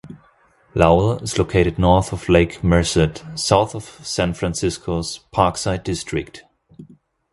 Lowell is located north of Lake Merced, south of San Francisco's Parkside District.